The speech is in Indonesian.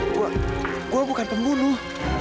gue gue bukan pembunuh